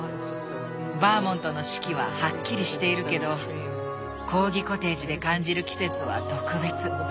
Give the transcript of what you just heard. バーモントの四季ははっきりしているけどコーギコテージで感じる季節は特別。